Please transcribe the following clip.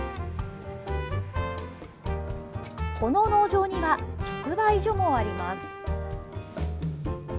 この農場には直売所もあります。